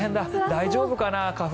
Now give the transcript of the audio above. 大丈夫かな、花粉。